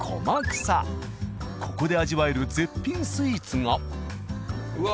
ここで味わえる絶品スイーツが。